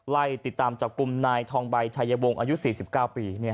ไล่ติดตามจับกลุ่มนายทองใบชายวงอายุ๔๙ปี